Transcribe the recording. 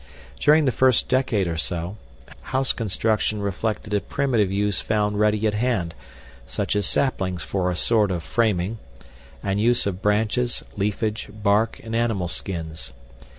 During the first decade or two, house construction reflected a primitive use found ready at hand, such as saplings for a sort of framing, and use of branches, leafage, bark, and animal skins.